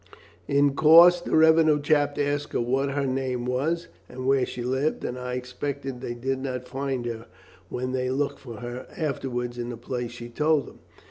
In course the revenue chap asked her what her name was and where she lived, and I expect they did not find her when they looked for her afterwards in the place she told him.